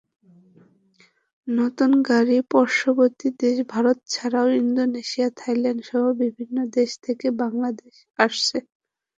নতুন গাড়ি পার্শ্ববর্তী দেশ ভারত ছাড়াও ইন্দোনেশিয়া, থাইল্যান্ডসহ বিভিন্ন দেশ থেকে বাংলাদেশ আসছে।